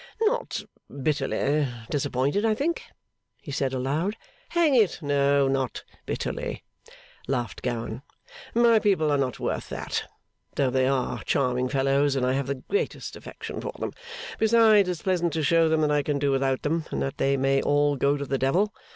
'Not bitterly disappointed, I think,' he said aloud. 'Hang it, no; not bitterly,' laughed Gowan. 'My people are not worth that though they are charming fellows, and I have the greatest affection for them. Besides, it's pleasant to show them that I can do without them, and that they may all go to the Devil.